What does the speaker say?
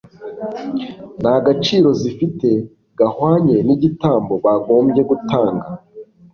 nta gaciro zifite gahwanye n'igitambo bagombye gutanga;